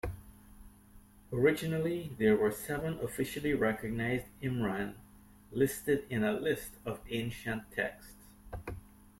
Originally there were seven officially recognised Immram listed in a list of ancient texts.